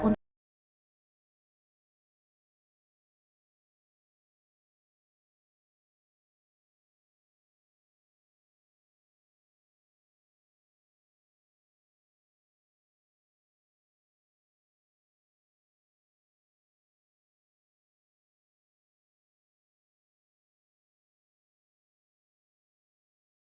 untuk menangani siapapun